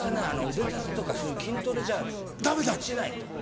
腕立てとかそういう筋トレじゃ落ちないと。